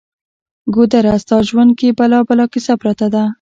ګودره! ستا ژوند کې بلا بلا کیسه پرته ده